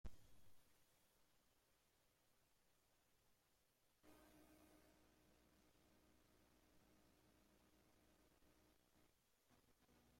Carro es doctor en Derecho y licenciado en Ciencias Políticas y Económicas.